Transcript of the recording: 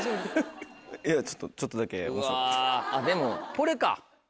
これか。